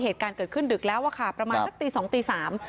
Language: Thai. เหตุการณ์เกิดขึ้นดึกแล้วอะค่ะประมาณสักตีสองตีสาม